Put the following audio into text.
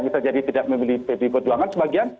bisa jadi tidak memilih pdi perjuangan sebagian